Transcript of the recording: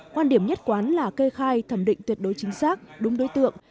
quan điểm nhất quán là kê khai thẩm định tuyệt đối chính xác đúng đối tượng